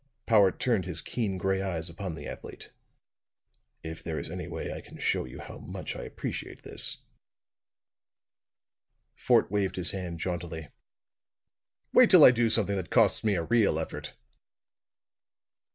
Powart turned his keen gray eyes upon the athlete. "If there is any way I can show you how much I appreciate this " Fort waved his hand jauntily. "Wait till I do something that costs me a real effort!"